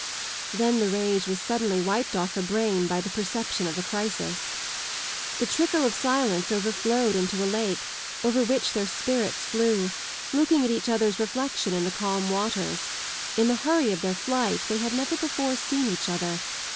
" Then the rage was suddenly wiped off her brain by the perception of a crisis. The trickle of silence overflowed into a lake, over which their spirits flew, looking at each other's reflection in the calm waters : in the hurry of their flight they had never before seen each other.